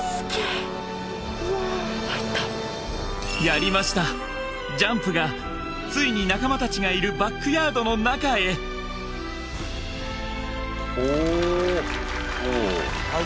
やりましたジャンプがついに仲間たちがいるバックヤードの中へおお！